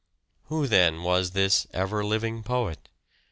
Who then was this " ever living poet